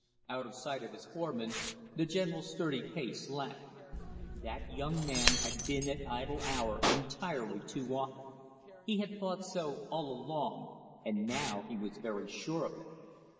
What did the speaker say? Out of sight of his foreman, the general's sturdy pace lagged. That young man had been at Idle Hour entirely too often; he had thought so all along, and now he was very sure of it!